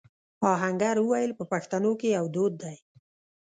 آهنګر وويل: په پښتنو کې يو دود دی.